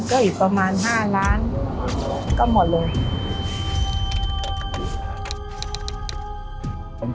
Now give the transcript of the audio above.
ก็อีกประมาณ๕ล้านก็หมดเลย